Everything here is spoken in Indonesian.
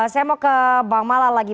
saya mau ke bang mala lagi